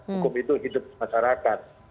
hukum itu hidup masyarakat